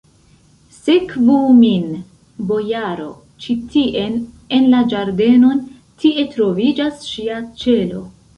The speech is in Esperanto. Sekvu min, bojaro, ĉi tien, en la ĝardenon: tie troviĝas ŝia ĉelo.